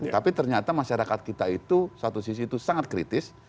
tapi ternyata masyarakat kita itu satu sisi itu sangat kritis